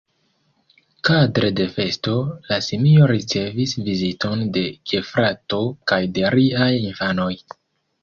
Kadre de festo, la simio ricevis viziton de gefrato kaj de riaj infanoj.